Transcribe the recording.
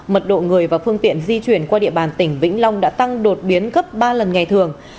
mật độ người và phương tiện di chuyển qua địa bàn tỉnh vĩnh long đã tăng đột biến gấp ba lần ngày thường